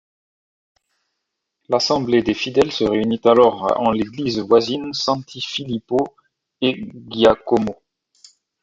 L'assemblée des fidèles se réunit alors en l'église voisine Santi Filippo e Giacomo.